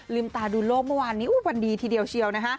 ตาดูโลกเมื่อวานนี้วันดีทีเดียวเชียวนะฮะ